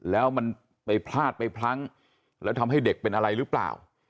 แล้วมันไปพลาดไปพลั้งแล้วทำให้เด็กเป็นอะไรหรือเปล่า